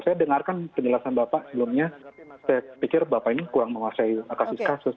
saya dengarkan penjelasan bapak sebelumnya saya pikir bapak ini kurang menguasai kasus kasus